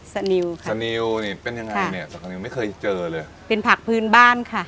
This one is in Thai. สนิวค่ะสนิวนี่เป็นยังไงเนี่ยสนิวไม่เคยเจอเลยเป็นผักพื้นบ้านค่ะ